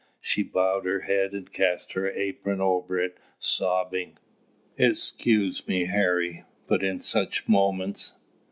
She bowed her head and cast her apron over it, sobbing. "Excuse me, Harry but in such moments!